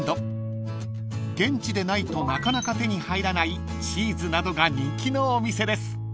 ［現地でないとなかなか手に入らないチーズなどが人気のお店です］